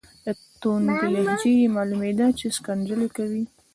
له توندې لهجې یې معلومیده چې ښکنځلې کوي.